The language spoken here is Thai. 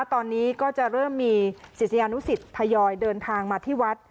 ตอนนี้ก็จะเริ่มมีศิษยานุสิตทยอยเดินทางมาที่วัด